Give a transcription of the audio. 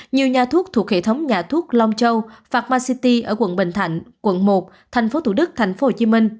nhiều nhà thuốc thuộc hệ thống nhà thuốc long châu pharma city ở quận bình thạnh quận một thành phố thủ đức thành phố hồ chí minh